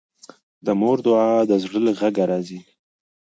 د مور دعا د زړه له غږه راځي